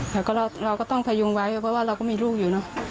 แล้วก็เราก็ต้องพยุงไว้เพราะว่าเราก็มีลูกอยู่เนอะ